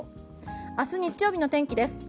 明日日曜日の天気です。